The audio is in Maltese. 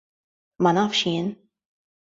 Ma nafx jien.